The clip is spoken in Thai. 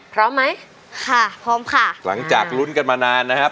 พร้อมไหมค่ะพร้อมค่ะหลังจากลุ้นกันมานานนะครับ